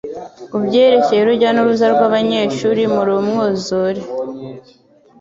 kubyerekeye urujya n'uruza rw'abanyeshuri muri umwuzure